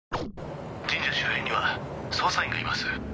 神社周辺には捜査員がいます